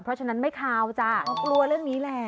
เพราะฉะนั้นไม่คาวจ้ะกลัวเรื่องนี้แหละ